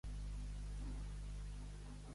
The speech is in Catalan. Aquesta és la corrupció més rebutjable!